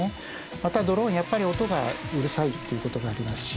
またドローンやっぱり音がうるさいということがありますし。